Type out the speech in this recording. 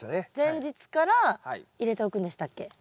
前日から入れておくんでしたっけ？